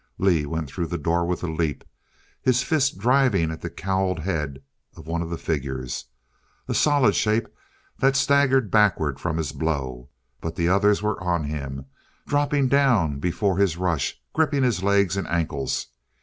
Lee went through the door with a leap, his fist driving at the cowled head of one of the figures a solid shape that staggered backward from his blow. But the others were on him, dropping down before his rush, gripping his legs and ankles.